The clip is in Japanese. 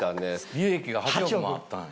利益が８億もあったんや。